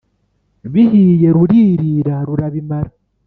bihiye ruririra rurabimara